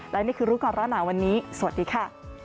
และนี่คือรู้ก่อนร้อนหนาวันนี้สวัสดีค่ะ